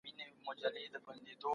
په رښتونې څېړنه کې درواغ نه ویل کیږي.